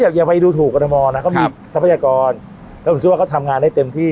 อย่าไปดูถูกกรทมนะเขามีทรัพยากรแล้วผมเชื่อว่าเขาทำงานได้เต็มที่